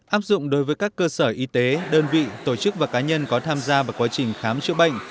áp dụng đối với các cơ sở y tế đơn vị tổ chức và cá nhân có tham gia vào quá trình khám chữa bệnh